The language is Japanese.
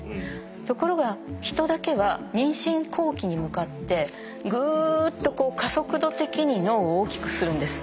ところがヒトだけは妊娠後期に向かってグーッとこう加速度的に脳を大きくするんです。